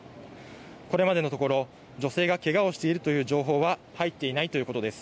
これまでのところ女性がけがをしているという情報は入っていないということです。